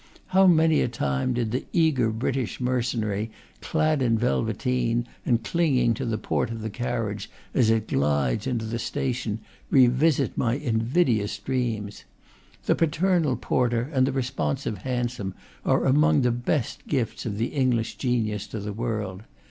How many a time did the eager British mer cenary, clad in velveteen and clinging to the door of the carriage as it glides into the station, revisit my invidious dreams! The paternal porter and the re sponsive hansom are among the best gifts of the Eng lish genius to the world.